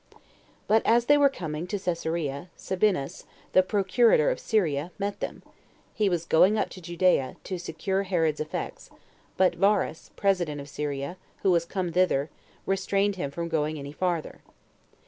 2. But as they were come to Cesarea, Sabinus, the procurator of Syria, met them; he was going up to Judea, to secure Herod's effects; but Varus, [president of Syria,] who was come thither, restrained him from going any farther.